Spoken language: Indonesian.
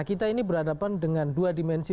kita ini berhadapan dengan dua dimensi